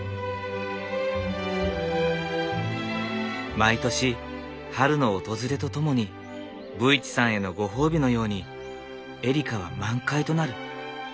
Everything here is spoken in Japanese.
毎年春の訪れとともに武市さんへのご褒美のようにエリカは満開となる。